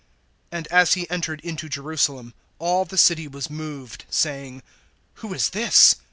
(10)And as he entered into Jerusalem, all the city was moved, saying: Who is this?